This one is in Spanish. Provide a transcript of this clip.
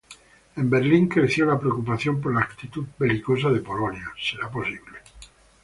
En Berlín creció la preocupación por la actitud belicosa en Polonia.